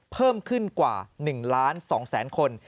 เพิ่มขึ้นกว่า๑ล้าน๒แสนคน